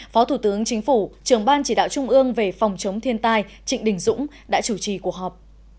phó thủ tướng chính phủ trưởng ban chỉ đạo trung ương về phòng chống thiên tai trịnh đình dũng đã chủ trì cuộc họp